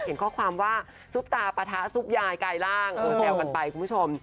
เห็นข้อความว่าซุปตาปะทะซุปยายกายร่างเออแซวกันไปคุณผู้ชม